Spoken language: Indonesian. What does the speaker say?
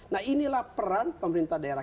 nah inilah peran pemerintah daerah